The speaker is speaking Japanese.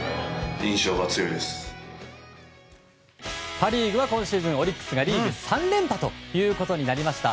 パ・リーグは今シーズンオリックスがリーグ３連覇となりました。